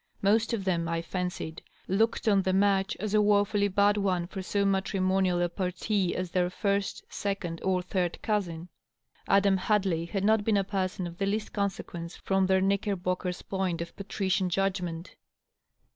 Most of them, I fancied, looked on the match as a wofiilly bad one for so matrimonial a parti as their first , second or third cousin. Adam Hadley had not been a person of the least consequence from their Knickerbocker point of patrician judgment.